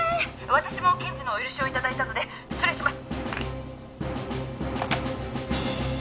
「私も検事のお許しを頂いたので失礼します！」